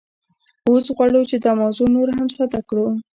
اوس غواړو چې دا موضوع نوره هم ساده کړو